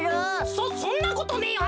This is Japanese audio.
そそんなことねえよ。